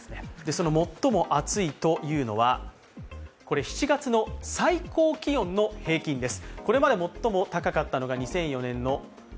その最も暑いというのは、７月の最高気温の平均です。